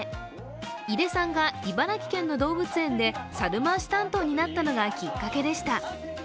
井出さんが茨城県の動物園で猿回し担当になったのがきっかけでした。